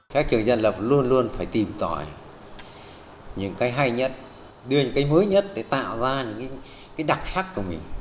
các trường dân lập luôn luôn phải tìm tòi những cái hay nhất đưa những cái mới nhất để tạo ra những cái đặc sắc của mình